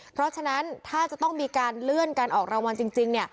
เพราะฉะนั้นถ้าจะต้องมีการเลื่อนการออกรางวัลจริง